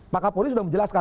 pakak polisi sudah menjelaskan